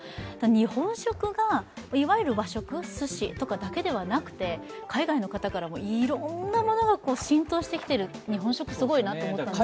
日本食がいわゆる和食、すしとかだけではなくて海外の方からもいろんなものが浸透してきている日本食すごいなと思いました。